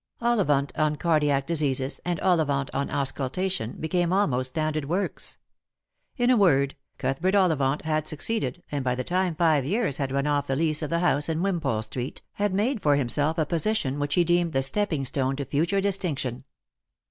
"Ollivant on Cardiao Diseases " and " Ollivant on Auscultation " became almost standard works. In a word, Cuthbert Ollivant had succeeded, and by the time five years had run off the lease of the house in Wimpole street had made for himself a position which he deemed the stepping stone to future distinction.